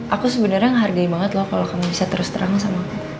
aku sebenernya ngehargai banget loh kalo kamu bisa terus terang sama aku